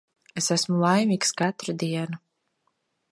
Es esmu laimīgs katru dienu.